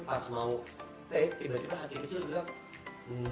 pas mau take tiba tiba hatimu juga bilang